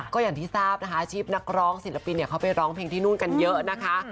ก็อย่างที่ทราบนะคะอาชีพนักร้องศิลปินเขาไปร้องเพลงที่นู่นกันเยอะนะคะ